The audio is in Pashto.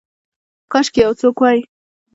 کاشکي یو څوک وی